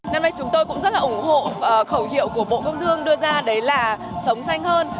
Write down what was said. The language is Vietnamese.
năm nay chúng tôi cũng rất là ủng hộ khẩu hiệu của bộ công thương đưa ra đấy là sống xanh hơn